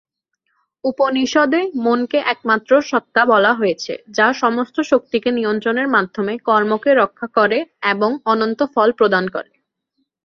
উপনিষদে মনকে একমাত্র সত্ত্বা বলা হয়েছে যা সমস্ত শক্তিকে নিয়ন্ত্রণের মাধ্যমে কর্মকে রক্ষা করে এবং অনন্ত ফল প্রদান করে।